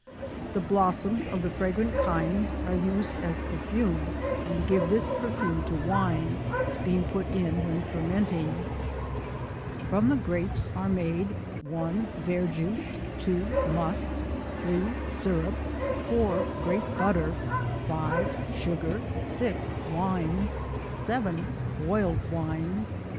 The blossoms of the fragrant kinds are used as per fume, and to give this perfume to Wine, being put in when fermenting. From the Grapes are made, 1. Verjuice 2 Must S. Syrup. 4. Grape butter. 5 Sugar. 6 Wines. Z.Boiled Wmes.